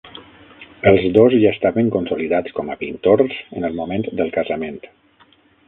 Els dos ja estaven consolidats com a pintors en el moment del casament.